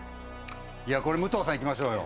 これ武藤さんいきましょうよ。